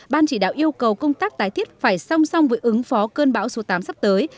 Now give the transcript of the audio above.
ban chỉ đạo yêu cầu công tác tái thiết phải song song với ứng phó cơn bão số tám sắp tới